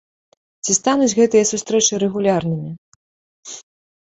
Ці стануць гэтыя сустрэчы рэгулярнымі?